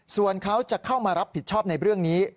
ส่วนเขาจะเข้ามารับผิดชอบในเรื่องนี้